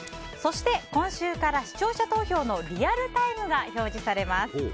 そして、今週から視聴者投票のリアルタイムが表示されます。